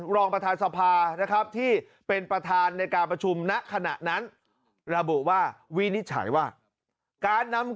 รองประธานสภานะครับที่เป็นประธานในการประชุมณขณะนั้นระบุว่าวินิจฉัยว่าการนำ